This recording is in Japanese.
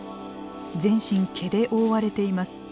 全身毛で覆われています。